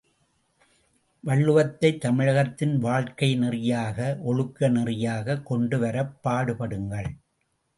வள்ளுவத்தைத் தமிழகத்தின் வாழ்க்கை நெறியாக ஒழுக்க நெறியாகக் கொண்டுவரப் பாடுபடுங்கள்!